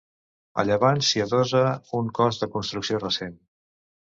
A llevant s'hi adossa un cos de construcció recent.